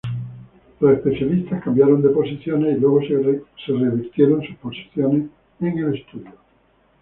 Los especialistas cambiaron de posiciones, y luego se revirtieron sus posiciones en el estudio.